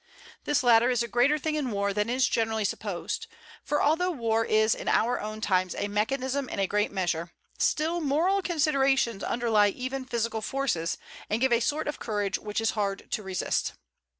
This latter is a greater thing in war than is generally supposed; for although war is in our own times a mechanism in a great measure, still moral considerations underlie even physical forces, and give a sort of courage which is hard to resist.